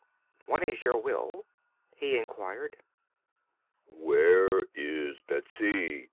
"What is your will?" he inquired. "Where is Betsy?"